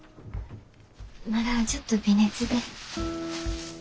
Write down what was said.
まだちょっと微熱で。